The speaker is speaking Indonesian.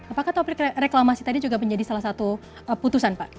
apakah topik reklamasi tadi juga menjadi salah satu putusan pak